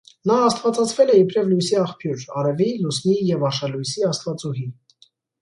Նա աստվածացվել է իբրև լույսի աղբյուր (արևի, լուսնի և արշալույսի աստվածուհի)։